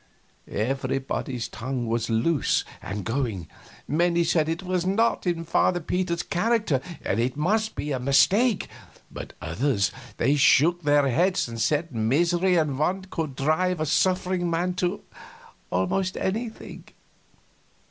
Everybody's tongue was loose and going. Many said it was not in Father Peter's character and must be a mistake; but the others shook their heads and said misery and want could drive a suffering man to almost anything.